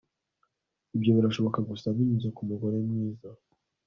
ibyo birashoboka gusa binyuze kumugore mwiza